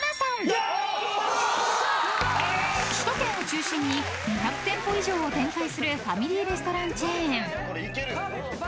［首都圏を中心に２００店舗以上を展開するファミリーレストランチェーン］